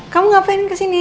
kamu ngapain kesini